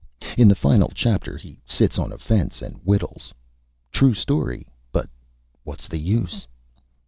In the Final Chapter he sits on a Fence and Whittles. True Story, but What's the Use?